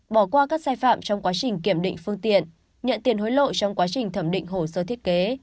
bỏ qua các sai phạm trong quá trình kiểm định phương tiện nhận tiền hối lộ trong quá trình thẩm định hồ sơ thiết kế